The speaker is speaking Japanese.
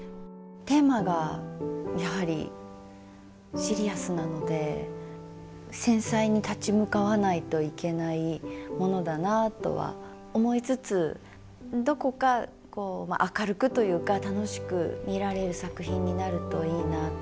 テーマがやはりシリアスなので繊細に立ち向かわないといけないものだなとは思いつつどこかこう明るくというか楽しく見られる作品になるといいなと。